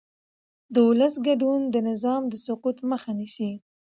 د ولس ګډون د نظام د سقوط مخه نیسي